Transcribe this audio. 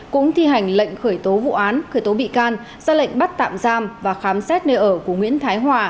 cũng thi hành lệnh khởi tố vụ án khởi tố bị can ra lệnh bắt tạm giam và khám xét nơi ở của nguyễn thái hòa